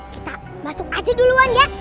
kita masuk aja duluan ya